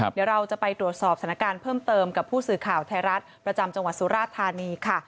เดี๋ยวเราจะไปตรวจสอบสถานการณ์เพิ่มเติมกับผู้สื่อข่าวไทยรัฐประจำจังหวัดสุราธานีค่ะ